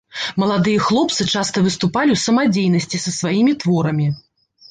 Маладыя хлопцы часта выступалі ў самадзейнасці са сваімі творамі.